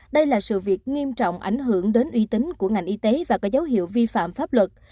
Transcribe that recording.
đây là sự việc nghiêm trọng ảnh hưởng đến uy tín của ngành y tế và có dấu hiệu vi phạm pháp luật